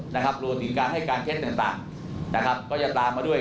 นะครับโดยสินค้าให้การเท็จต่างนะครับก็จะตามมาด้วย